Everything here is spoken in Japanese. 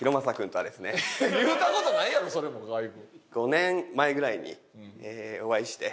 ５年前ぐらいにお会いして。